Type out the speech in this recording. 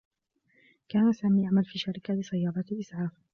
كان سامي يعمل في شركة لسيّارات الإسعاف.